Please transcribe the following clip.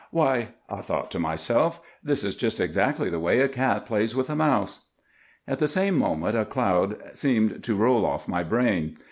"'"Why,"' thought I to myself, '"this is just exactly the way a cat plays with a mouse!" "'At the same moment a cloud seemed to roll off my brain.